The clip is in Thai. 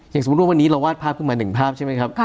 สมมุติว่าวันนี้เราวาดภาพขึ้นมา๑ภาพใช่ไหมครับ